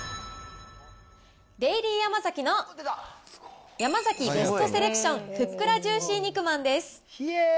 デイリーヤマザキのヤマザキベストセレクションふっくらジューシー肉まんです。